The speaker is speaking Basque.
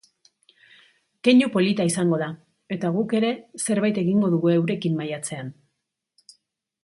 Keinu polita izango da, eta guk ere zerbait egingo dugu eurekin maiatzean.